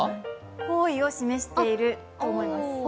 方位を示していると思います。